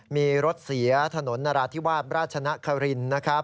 มีรถเสียถนนรทวาดราชนฮข์ลินทร์